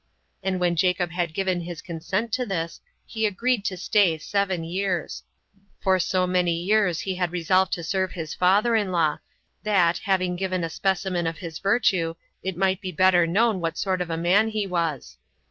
And when Jacob had given his consent to this, he agreed to stay seven years; for so many years he had resolved to serve his father in law, that, having given a specimen of his virtue, it might be better known what sort of a man he was.